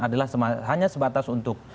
adalah hanya sebatas untuk